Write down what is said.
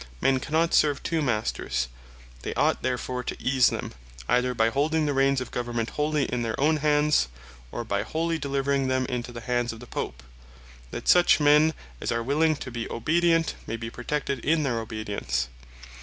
Men cannot serve two Masters: They ought therefore to ease them, either by holding the Reins of Government wholly in their own hands; or by wholly delivering them into the hands of the Pope; that such men as are willing to be obedient, may be protected in their obedience.